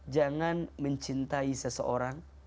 jangan mencintai seseorang